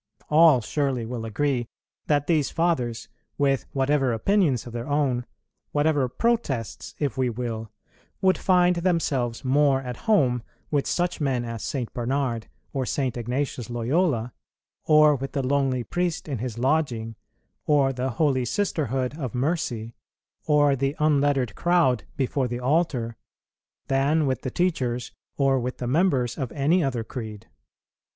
All surely will agree that these Fathers, with whatever opinions of their own, whatever protests, if we will, would find themselves more at home with such men as St. Bernard or St. Ignatius Loyola, or with the lonely priest in his lodging, or the holy sisterhood of mercy, or the unlettered crowd before the altar, than with the teachers or with the members of any other creed.